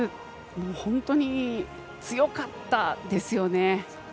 本当に強かったですよね。